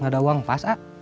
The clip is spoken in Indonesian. gak ada uang pas a